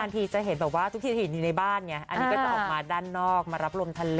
อ้าวทะเลมาครับ